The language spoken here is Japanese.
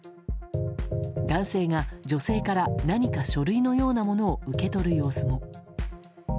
男性が女性から何か書類のようなものを受け取る様子も。